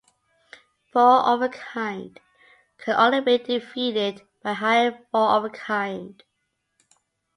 Four-of-a-kind can only be defeated by a higher four-of-a-kind.